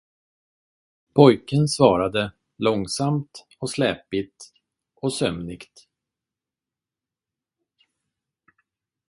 Pojken svarade, långsamt och släpigt och sömnigt.